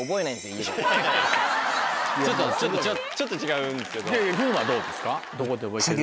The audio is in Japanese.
ちょっと違うんですけど。